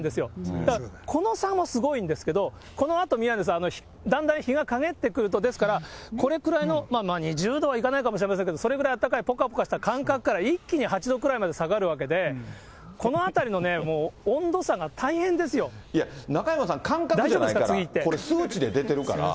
だから、この差もすごいんですけど、このあと、宮根さん、だんだん日がかげってくると、ですから、これくらいの、まあ２０度はいかないかもしれないけど、それぐらいあったかい、ぽかぽかした感覚から一気に８度くらいまで下がるわけで、いや、中山さん、感覚じゃないから、数値で出てるから。